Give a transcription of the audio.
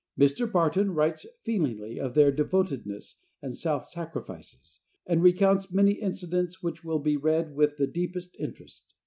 Mr. Barton writes feelingly of their devotedness and self sacrifices, and recounts many incidents which will be read with the deepest interest.